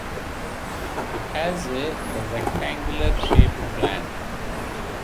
It has a rectangular shaped plan.